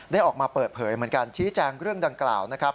ออกมาเปิดเผยเหมือนกันชี้แจงเรื่องดังกล่าวนะครับ